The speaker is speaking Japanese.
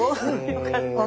よかった！